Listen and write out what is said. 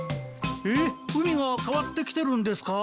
えっ海が変わってきてるんですか？